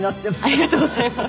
ありがとうございます。